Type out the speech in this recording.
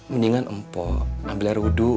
mendingan mpok ambil air wudhu